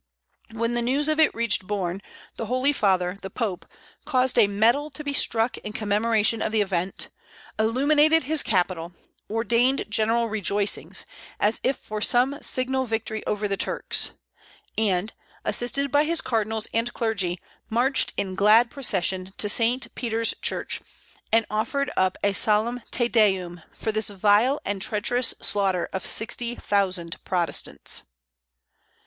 When the news of it reached Borne, the Holy Father the Pope caused a medal to be struck in commemoration of the event, illuminated his capital, ordained general rejoicings, as if for some signal victory over the Turks; and, assisted by his cardinals and clergy, marched in glad procession to St. Peter's Church, and offered up a solemn Te Deum for this vile and treacherous slaughter of sixty thousand Protestants.